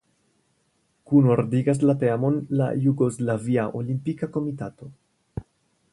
Kunordigas la teamon la Jugoslavia Olimpika Komitato.